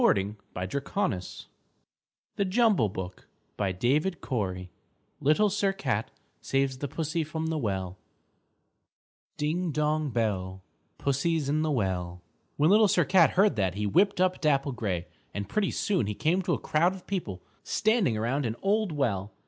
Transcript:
[Illustration: Harvey Peake] LITTLE SIR CAT Little Sir Cat Saves the Pussy from the Well "Ding, dong bell, Pussy's in the well!" When Little Sir Cat heard that he whipped up Dapple Gray and pretty soon he came to a crowd of people standing around an old well.